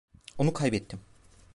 Onu kaybettim.